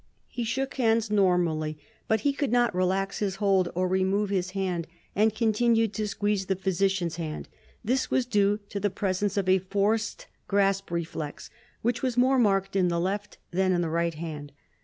He shook hands normally, but he could not relax his hold or remove his hand, and continued to squeeze the physician's hand; this was due to the presence of a forced grasp reflex, which was more marked in the left than in the right hand.